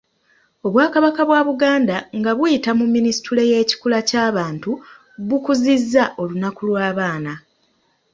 Obwakabaka bwa Buganda nga buyita mu Minisitule y’ekikula ky’abantu bukuzizza olunaku lw’abaana.